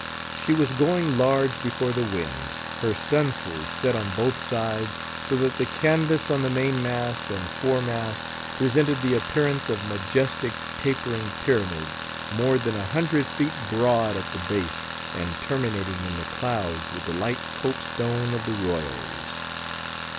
She was going large before the wind, her stun' sails set on both sides, so that the canvas on the main mast and fore mast presented the appearance of majestic, tapering pyramids, more than a hundred feet broad at the base, and terminating in the clouds with the light copestone of the royals.